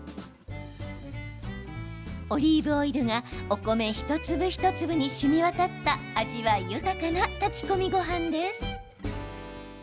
オリーブオイルがお米、一粒一粒にしみ渡った味わい豊かな炊き込みごはんです。